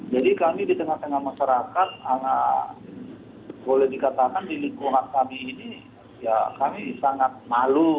jadi kami di tengah tengah masyarakat boleh dikatakan di lingkungan kami ini kami sangat malu